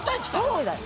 そうだよ。